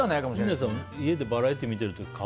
陣内さん、家でバラエティー見てる時顔